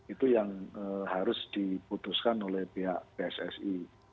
itu yang harus diputuskan oleh pihak pssi